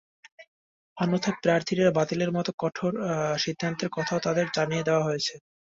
অন্যথায় প্রার্থিতা বাতিলের মতো কঠোর সিদ্ধান্তের কথাও তাঁদের জানিয়ে দেওয়া হয়েছে।